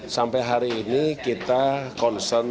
sampai hari ini kita concern